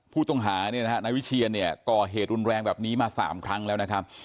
ผู้ต้องหาเนี่ยนะฮะนายวิเชียนเนี่ยก่อเหตุรุนแรงแบบนี้มา๓ครั้งแล้วนะครับ